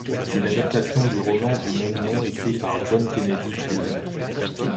C'est l'adaptation du roman du même nom écrit par John Kennedy Toole.